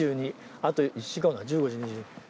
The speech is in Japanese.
あと１時間か１５時２２。